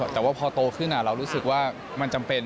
แต่ว่าพอโตขึ้นเรารู้สึกว่ามันจำเป็น